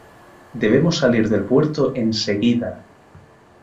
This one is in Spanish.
Debemos salir del puerto enseguida.